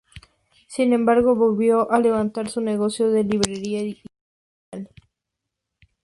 Sin embargo volvió a levantar su negocio de librería y editorial.